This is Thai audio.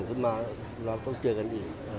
ขอบคุณครับ